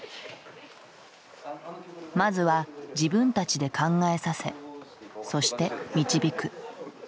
まずは自分たちで考えさせそして導く。